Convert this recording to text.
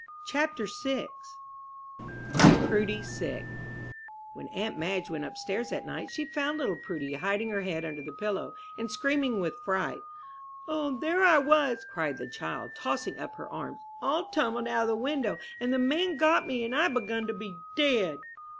CHAPTER VI PRUDY SICK When aunt Madge went up stairs that night she found little Prudy hiding her head under the pillow, and screaming with fright. "O, there I was!" cried the child, tossing up her arms, "all tumbled out of the window! And the man got me, and I begun to be dead!"